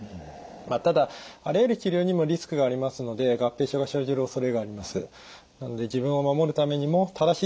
まあただあらゆる治療にもリスクがありますので合併症が生じる恐れがあります。